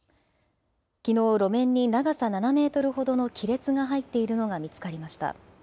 きのう路面に長さ７メートルほどの亀裂が入っているのが見つかりました。